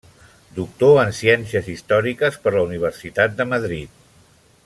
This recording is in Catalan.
Doctor en ciències històriques per la Universitat de Madrid.